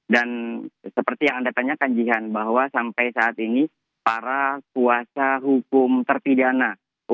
dan seperti yang anda tanyakan jihan bahwa sampai saat ini para kuasa hukum terpidana